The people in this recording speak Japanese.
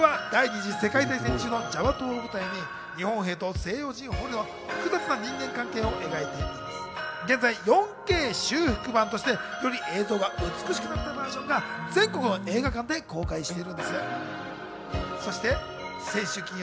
こちらは第二次世界大戦中のジャワ島を舞台に日本兵と西洋人捕虜の複雑な人間関係を描いていて、現在４Ｋ修復版としてより映像が美しくなったバージョンが全国の映画館で公開しているんです。